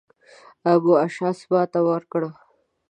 ابن اشعث ماته وکړه.